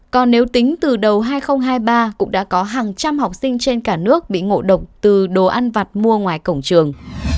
còn nếu tính từ đầu hai nghìn hai mươi ba cũng đã có hàng trăm học sinh trên cả nước bị ngộ độc từ đồ ăn vặt mua ngoài cổng trường